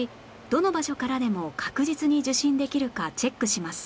どの場所からでも確実に受信できるかチェックします